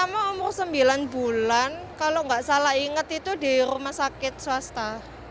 sama umur sembilan bulan kalau nggak salah ingat itu di rumah sakit swasta